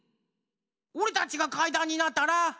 ⁉おれたちがかいだんになったら。